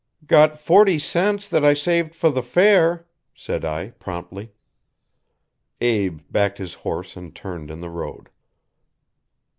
'Got forty cents that I saved for the fair,' said I promptly. Abe backed his horse and turned in the road.